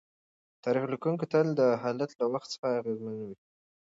تاریخ لیکونکی تل د حال له وخت څخه اغېزمن وي.